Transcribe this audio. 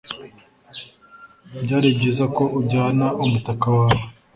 Byari byiza ko ujyana umutaka wawe.